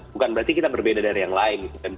bukan berarti kita berbeda dari yang lain